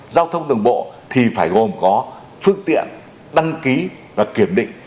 giao thông đường bộ thì phải gồm có phương tiện đăng ký và kiểm định